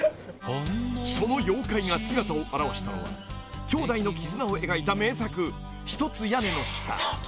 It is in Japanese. ［その妖怪が姿を現したのはきょうだいの絆を描いた名作『ひとつ屋根の下』］